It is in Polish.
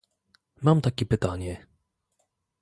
Mam takie pytanie